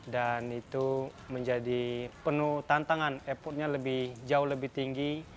dan itu menjadi penuh tantangan effortnya lebih jauh lebih tinggi